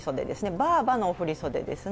ばあばのお振り袖ですね。